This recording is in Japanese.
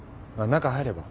中入れば？